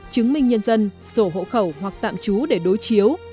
chứng minh nhân dân sổ hộ khẩu hoặc tạm trú để đối chiếu